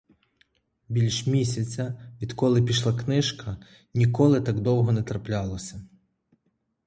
Більш місяця, відколи пішла книжка, ніколи так довго не траплялося.